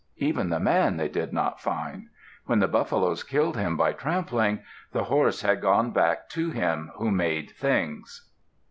Even the man they did not find. When the buffaloes killed him by trampling, the horse had gone back to Him Who Made Things.